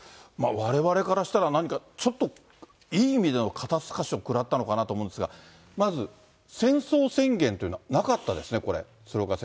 われわれからしたら、何か、ちょっといい意味での肩透かしを食らったのかなと思うんですが、まず戦争宣言というのはなかったですね、これ。